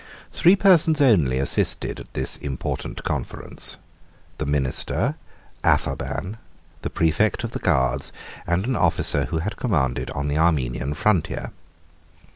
Three persons only assisted at this important conference, the minister Apharban, the præfect of the guards, and an officer who had commanded on the Armenian frontier.